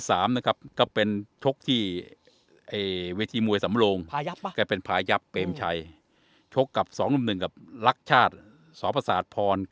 สมัยโชคม้าเอ๊หนักหนันนั่นนั่นต้องเอากวายราก